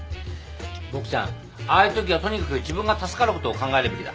ボクちゃんああいうときはとにかく自分が助かることを考えるべきだ。